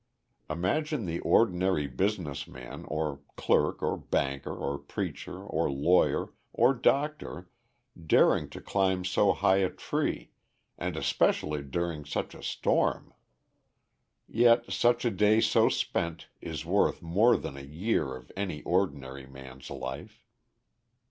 Imagine the ordinary business man, or clerk, or banker, or preacher, or lawyer, or doctor, daring to climb so high a tree, and especially during such a storm. Yet such a day so spent is worth more than a year of any ordinary man's life.